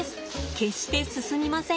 決して進みません。